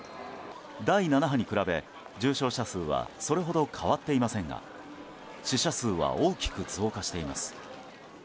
第７波に比べ、重症者数はそれほど変わっていませんが死者数は大きく増加しています。